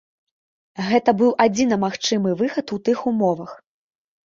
Гэта быў адзіна магчымы выхад у тых умовах.